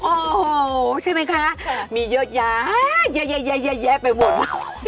โอ้โหใช่ไหมคะมีเยอะแยะเยอะแยะไปหมด